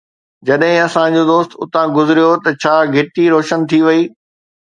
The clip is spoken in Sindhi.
جڏهن اسان جو دوست اتان گذريو ته ڇا گهٽي روشن ٿي وئي؟